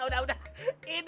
udah udah udah